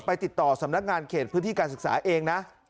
ติดต่อสำนักงานเขตพื้นที่การศึกษาเองนะ